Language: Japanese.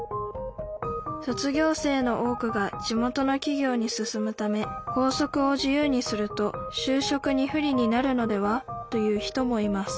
卒業生の多くが地元のきぎょうに進むため「校則を自由にすると就職に不利になるのでは？」という人もいます